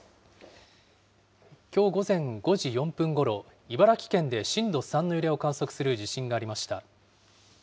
きょう午前５時４分ごろ、茨城県で震度３の揺れを観測する地震がありました。